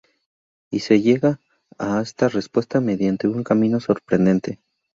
Y se llega a esta respuesta mediante un camino sorprendente.